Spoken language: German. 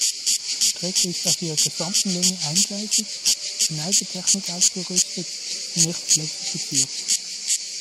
Die Strecke ist auf ihrer gesamten Länge eingleisig, für Neigetechnik ausgerüstet und nicht elektrifiziert.